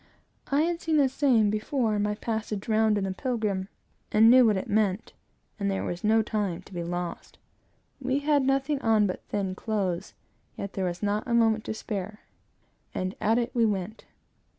I had seen the same before, in my passage round in the Pilgrim, and knew what it meant, and that there was no time to be lost. We had nothing on but thin clothes, yet there was not a moment to spare, and at it we went.